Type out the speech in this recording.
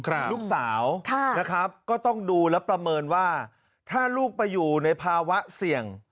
ลูกสาวนะครับก็ต้องดูแล้วประเมินว่าถ้าลูกไปอยู่ในภาวะเสี่ยง